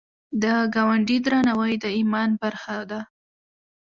د ګاونډي درناوی د ایمان برخه ده